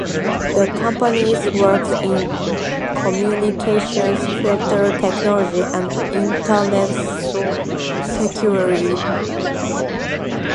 The companies work in communications filter technology and internet security.